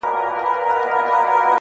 o هغه نجلۍ مي اوس پوښتنه هر ساعت کوي.